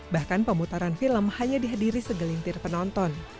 bahkan pemutaran film hanya dihadiri segelintir penonton